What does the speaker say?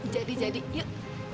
jadi jadi yuk